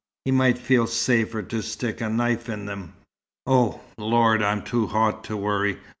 "He might feel safer to stick a knife in them." "Oh, lord, I'm too hot to worry!"